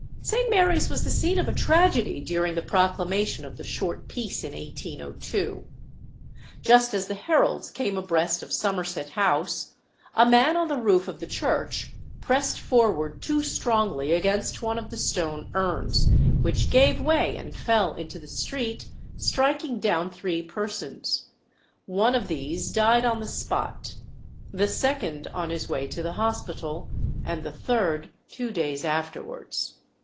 St. Mary's was the scene of a tragedy during the proclamation of the short peace in 1802. Just as the heralds came abreast of Somerset House, a man on the roof of the church pressed forward too strongly against one of the stone urns, which gave way and fell into the street, striking down three persons: one of these died on the spot; the second, on his way to the hospital; and the third, two days afterwards.